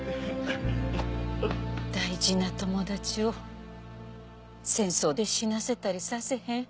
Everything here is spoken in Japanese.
大事な友達を戦争で死なせたりさせへん。